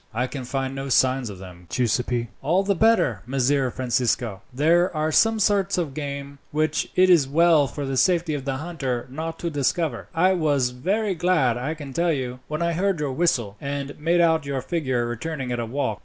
"I can find no signs of them, Giuseppi." "All the better, Messer Francisco. There are some sorts of game, which it is well for the safety of the hunter not to discover. I was very glad, I can tell you, when I heard your whistle, and made out your figure returning at a walk.